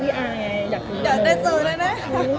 พี่อาร์เข้ามาจีบนี้